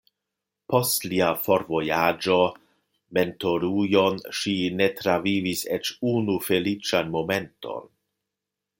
Post lia forvojaĝo Mentorujon ŝi ne travivis eĉ unu feliĉan momenton.